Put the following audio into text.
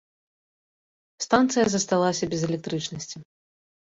Станцыя засталася без электрычнасці.